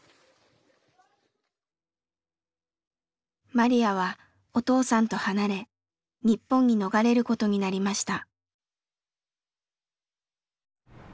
マリヤはお父さんと離れ日本に逃れることになりました。